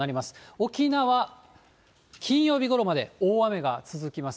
沖縄、金曜日ごろまで大雨が続きます。